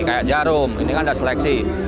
kayak jarum ini kan ada seleksi